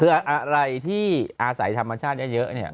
คืออะไรที่อาศัยธรรมชาติเยอะเนี่ย